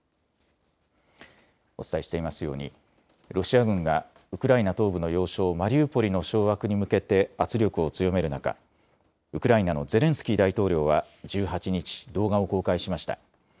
お伝えしていますようにロシア軍がウクライナ東部の要衝マリウポリの掌握に向けて圧力を強める中、ウクライナのゼレンスキー大統領は１８日、動画を公開しました。